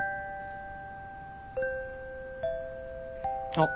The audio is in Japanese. あっ！